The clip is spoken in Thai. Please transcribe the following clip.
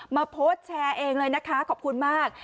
โพสต์แชร์เองเลยนะคะขอบคุณมาก